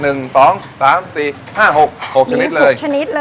หนึ่งสองสามสี่ห้าหกหกจะโทรขนิดเลย